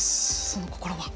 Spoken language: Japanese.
その心は。